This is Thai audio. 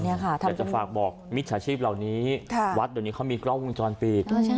อยากจะฝากบอกมิจฉาชีพเหล่านี้วัดเดี๋ยวนี้เขามีกล้องวงจรปิด